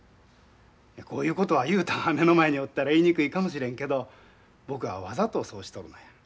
こういうことは雄太が目の前におったら言いにくいかもしれんけど僕はわざとそうしとるのや。